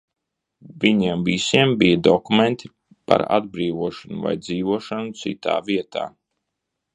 Viņiem visiem bija dokumenti par atbrīvošanu, vai dzīvošanu citā vietā.